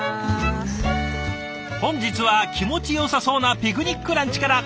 本日は気持ちよさそうなピクニックランチから。